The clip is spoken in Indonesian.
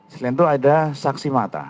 selain itu ada saksi mata